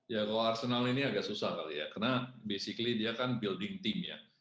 ya kalau arsenal ini agak susah kali ya karena basically dia kan building team ya